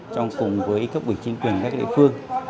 trong cùng với các quỷ chính quyền các địa phương